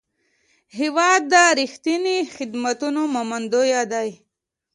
هېواد د رښتیني خدمتونو منندوی دی.